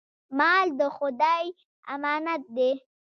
مال د خدای امانت دی.